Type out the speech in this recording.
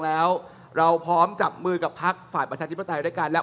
แล้วพร้อมให้ใครหลบ